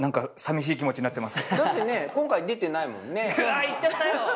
あ言っちゃったよ。